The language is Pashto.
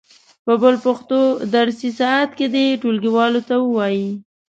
په بل پښتو درسي ساعت کې دې ټولګیوالو ته و وایي.